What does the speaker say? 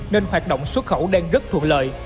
nên hoạt động xuất khẩu đang rất thuận lợi